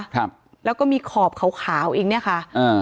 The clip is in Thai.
ครับแล้วก็มีขอบขาวขาวอีกเนี้ยค่ะอ่า